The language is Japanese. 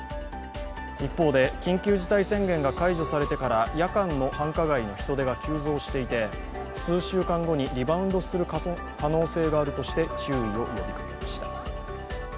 一方で緊急事態宣言が解除されてから夜間の繁華街の人出が急増していて、数週間後にリバウンドする可能性があるとして注意を呼びかけました。